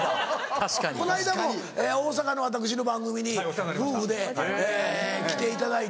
この間も大阪の私の番組に夫婦で来ていただいて。